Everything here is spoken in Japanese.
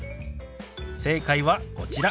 正解はこちら。